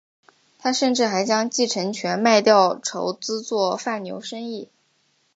他甚至还将继承权卖掉筹资做贩牛生意。